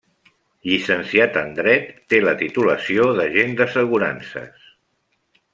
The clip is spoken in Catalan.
Llicenciat en dret, té la titulació d'agent d'assegurances.